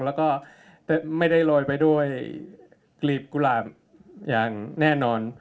แล้วก็ไม่ได้โรยไปด้วยกลีบกุหลาบอย่างแน่นอน